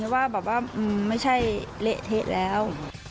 ว่าแบบว่าไม่ใช่เละเทะแล้ว